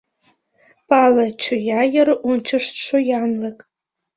Пале, чоя, йыр ончыштшо янлык.